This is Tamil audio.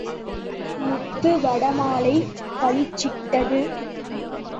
முத்து வடமாலை பளிச்சிட்டது.